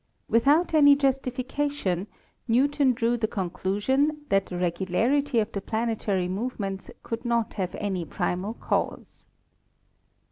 Without any justification, Newton drew the con clusion that the regularity of the planetary movements could not have any primal cause.